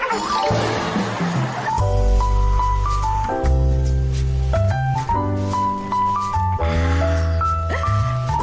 หล่า